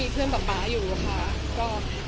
กรรทร์